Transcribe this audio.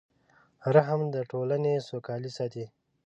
رحم د ټولنې سوکالي ساتي.